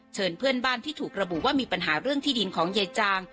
เพื่อนบ้านที่ถูกระบุว่ามีปัญหาเรื่องที่ดินของยายจาง